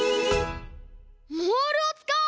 モールをつかおう！